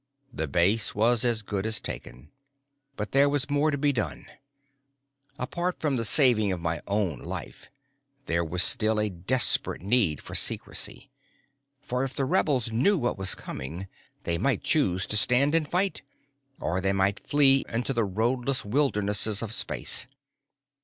The base was as good as taken. But there was more to be done. Apart from the saving of my own life, there was still a desperate need for secrecy. For if the rebels knew what was coming, they might choose to stand and fight, or they might flee into the roadless wildernesses of space.